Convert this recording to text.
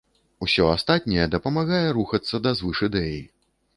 Усе астатняе дапамагае рухацца да звышідэі.